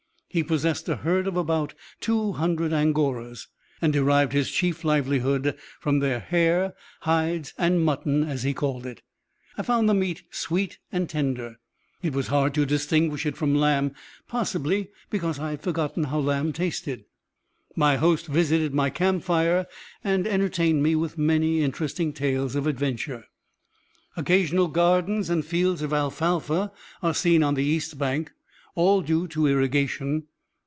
He possessed a herd of about two hundred Angoras, and derived his chief livelihood from their hair, hides, and "mutton," as he called it. I found the meat sweet and tender; it was hard to distinguish it from lamb; possibly because I had forgotten how lamb tasted. My host visited my camp fire and entertained me with many interesting tales of adventure. Occasional gardens and fields of alfalfa are seen on the east bank, all due to irrigation.